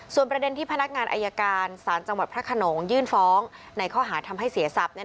ส่วนประเด็นที่พนักงานอายการศาลจังหวัดพระขนงยื่นฟ้องในข้อหาทำให้เสียทรัพย์